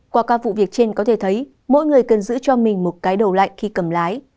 qua các vụ việc trên có thể thấy mỗi người cần giữ cho mình một cái đầu lạnh khi cầm lái